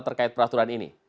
terkait peraturan ini